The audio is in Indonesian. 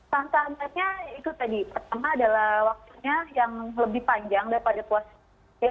tantangannya itu tadi pertama adalah waktunya yang lebih panjang daripada puasa